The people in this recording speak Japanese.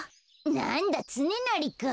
なんだつねなりか。